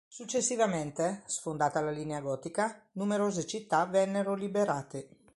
Successivamente, sfondata la Linea Gotica, numerose città vennero liberate.